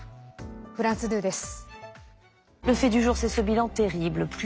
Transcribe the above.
フランス２です。